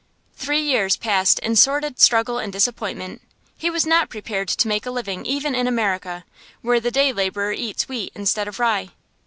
Three years passed in sordid struggle and disappointment. He was not prepared to make a living even in America, where the day laborer eats wheat instead of rye.